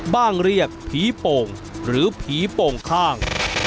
เรียกผีโป่งหรือผีโป่งข้าง